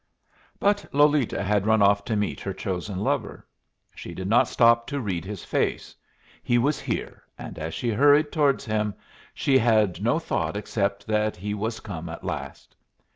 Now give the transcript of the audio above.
But Lolita had run off to meet her chosen lover. She did not stop to read his face. He was here; and as she hurried towards him she had no thought except that he was come at last.